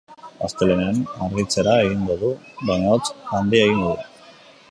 Astelehenean, argitzera egingo du, baina hotz handia egingo du.